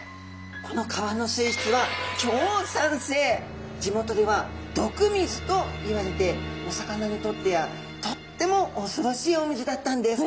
この川の水質は地元では毒水といわれてお魚にとってはとってもおそろしいお水だったんです。